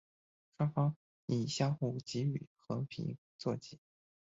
双方以相互给予和平作结。